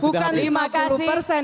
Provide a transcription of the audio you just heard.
bukan lima puluh persen saya kira